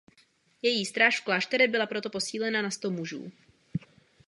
Její stráž v klášteře byla proto posílena na sto mužů.